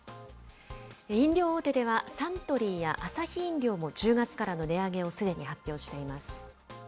飲料大手では、サントリーやアサヒ飲料も１０月からの値上げをすでに発表しています。